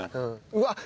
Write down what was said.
うわっ！